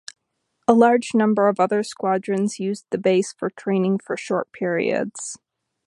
A large number of other squadrons used the base for training for short periods.